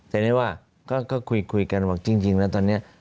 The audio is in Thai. แต่นี่ว่าก็คุยกันบอกจริงแล้วตอนนี้